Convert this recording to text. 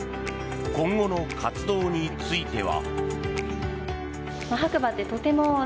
今後の活動については。